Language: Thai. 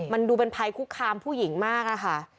มันดูเป็นภัยคุกคามผู้หญิงมากอะค่ะ